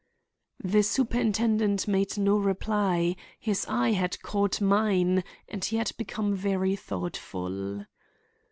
The superintendent made no reply; his eye had caught mine, and he had become very thoughtful.